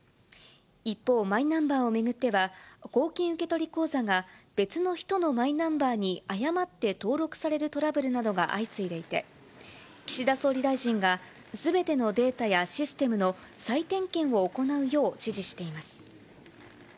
一方、マイナンバーを巡っては、公金受取口座が別の人のマイナンバーに誤って登録されるトラブルなどが相次いでいて、岸田総理大臣が、すべてのデータやシステムの再点検を行うよう指示しています。